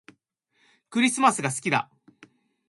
クリスマスが好きだ